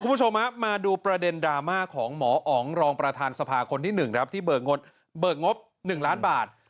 คุณผู้ชมมาดูประเด็นดราม่าของหมออ๋องรองประธานสภาคนที่๑ครับที่เบิกงบ๑ล้านบาท